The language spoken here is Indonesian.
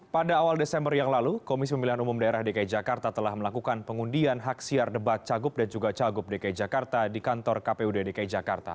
pada awal desember yang lalu komisi pemilihan umum daerah dki jakarta telah melakukan pengundian hak siar debat cagup dan juga cagup dki jakarta di kantor kpud dki jakarta